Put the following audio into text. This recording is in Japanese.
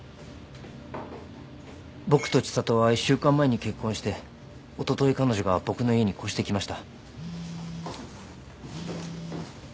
僕と知里は１週間前に結婚しておととい彼女が僕の家に越してきました。